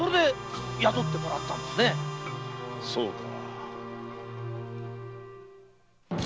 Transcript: そうか。